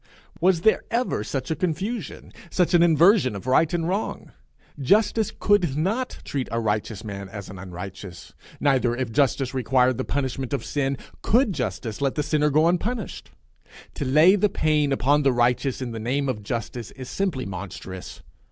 Was there ever such a confusion, such an inversion of right and wrong! Justice could not treat a righteous man as an unrighteous; neither, if justice required the punishment of sin, could justice let the sinner go unpunished. To lay the pain upon the righteous in the name of justice is simply monstrous.